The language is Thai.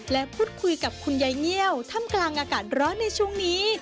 และพูดคุยกับคุณยายเงี่ยวถ้ำกลางอากาศร้อนในช่วงนี้